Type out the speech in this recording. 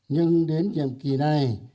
nhưng đến nhiệm kỳ này